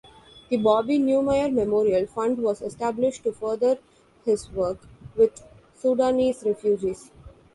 The Bobby Newmyer Memorial Fund was established to further his work with Sudanese refugees.